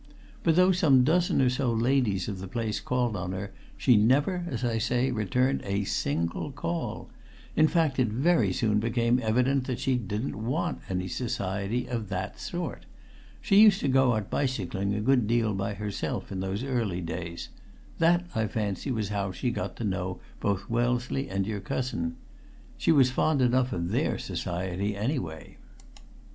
But, though some dozen or so ladies of the place called on her, she never, as I say, returned a single call; in fact, it very soon became evident that she didn't want any society of that sort. She used to go out bicycling a good deal by herself in those early days that, I fancy, was how she got to know both Wellesley and your cousin. She was fond enough of their society anyway!"